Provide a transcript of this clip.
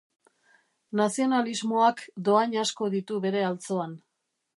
Nazionalismoak dohain asko ditu bere altzoan.